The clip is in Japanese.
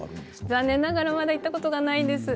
残念ながら行ったことはないんです。